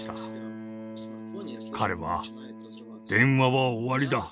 彼は「電話は終わりだ。